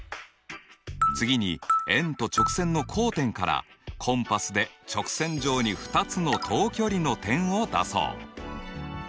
次に円と直線の交点からコンパスで直線上に２つの等距離の点を出そう。